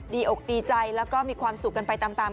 อกดีใจแล้วก็มีความสุขกันไปตาม